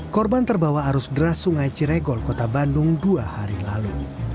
korban terbawa arus deras sungai ciregol kota bandung dua hari lalu